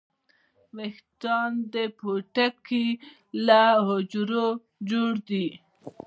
ویښتان د پوټکي له حجرو جوړ دي